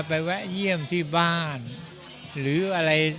แวะเยี่ยมที่บ้านหรืออะไร